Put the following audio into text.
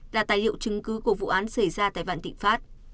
là tài liệu chứng cứ của vụ án xảy ra tại vạn thịnh pháp